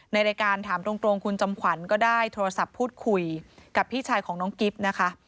ในรายการถามตรงคุณจำขวัญก็ได้โทรศัพท์พูดคุยกับพี่ชายของน้องกิ๊บนะคะ